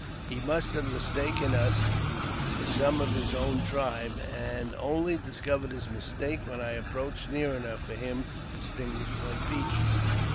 He must have mistaken us for some of his own tribe, and only dis covered his mistake when I approached near enough for him to distinguish my features.